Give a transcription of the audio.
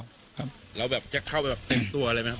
แล้วแบบจะเข้าไปแบบเต็มตัวอะไรไหมครับ